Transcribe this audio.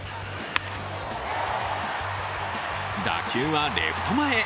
打球はレフト前へ。